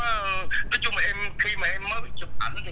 nói chung khi mà em mới chụp ảnh